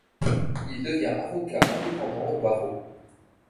Il devient avocat indépendant au barreau.